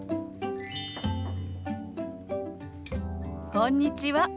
こんにちは。